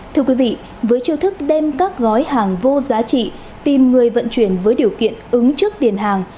thưa quý vị với chiêu thức đem các gói hàng vô giá trị tìm người vận chuyển với điều kiện ứng trước tiền hàng